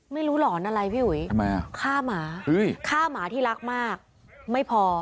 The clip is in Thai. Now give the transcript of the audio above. หลอนอะไรพี่อุ๋ยทำไมอ่ะฆ่าหมาฆ่าหมาที่รักมากไม่พอ